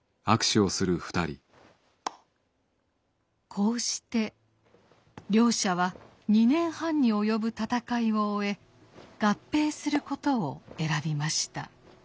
こうして両社は２年半に及ぶ戦いを終え合併することを選びました。